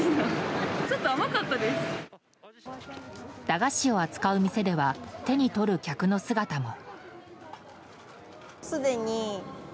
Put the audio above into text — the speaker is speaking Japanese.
駄菓子を扱う店では手に取る客の姿も。